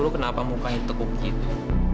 kenapa mukanya teguk gitu